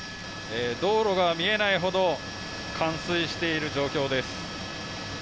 道路が見えないほど冠水している状況です。